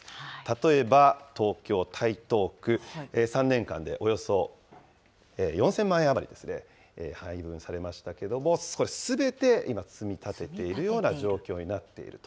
例えば、東京・台東区、３年間でおよそ４０００万円余りですね、配分されましたけれども、すべて今、積み立てているような状況になっていると。